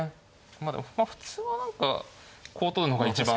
まあでも普通は何かこう取るのが一番。